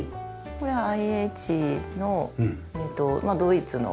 これはＩＨのドイツの。